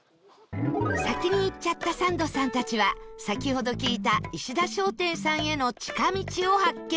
先に行っちゃったサンドさんたちは先ほど聞いたいしだ商店さんへの近道を発見